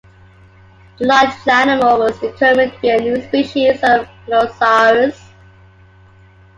The large animal was determined to be a new species of "Pliosaurus".